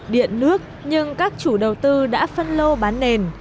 điện nước nhưng các chủ đầu tư đã phân lô bán nền